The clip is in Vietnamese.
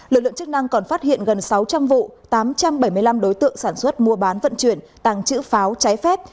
lực lượng chức năng còn phát hiện gần sáu trăm linh vụ tám trăm bảy mươi năm đối tượng sản xuất mua bán vận chuyển tàng trữ pháo trái phép